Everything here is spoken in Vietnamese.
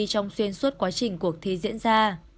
trong xuyên suốt quá trình cuộc thi diễn ra